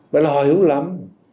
vậy là họ hiểu lắm